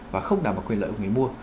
và không đảm bảo quyền lợi của người mua